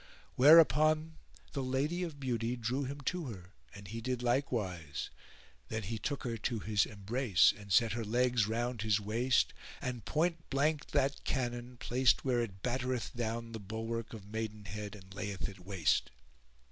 Whereupon the Lady of Beauty drew him to her and he did likewise. Then he took her to his embrace and set her legs round his waist and point blanked that cannon [FN#427] placed where it battereth down the bulwark of maidenhead and layeth it waste.